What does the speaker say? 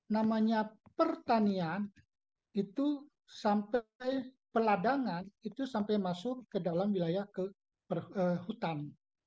namanya pertanian itu sampai peladangan itu sampai masuk ke dalam wilayah hutan